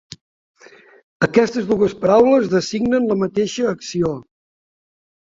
Aquestes dues paraules designen la mateixa acció.